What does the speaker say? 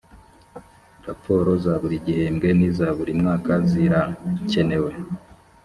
raporo za buri gihembwe n’iza buri mwaka zirakenewe